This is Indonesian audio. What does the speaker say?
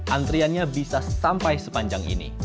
antriannya bisa sampai sepanjang ini